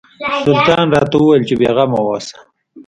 سلطان راته وویل چې بېغمه اوسه.